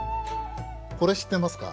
これ知ってますか？